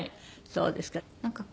そうですか。